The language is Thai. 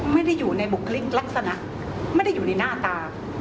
ไม่ได้อยู่ในบุคลิกลักษณะไม่ได้อยู่ในหน้าตา